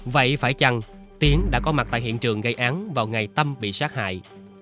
vậy phải chăng tiến đã có mặt tại hiện trường gây án vào ngày tâm bị sát hại